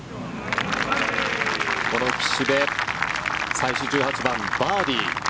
この岸部最終１８番、バーディー。